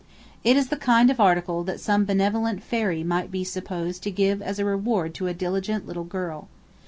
It is the kind of article that some benevolent fairy might be supposed to give as a reward to a diligent little girl.